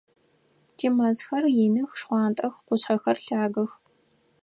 Тимэзхэр иных, шхъуантӏэх, къушъхьэхэр лъагэх.